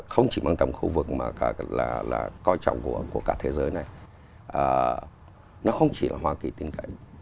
không chỉ mang tầm khu vực mà là coi trọng của cả thế giới này nó không chỉ là hoa kỳ triều tiên cảnh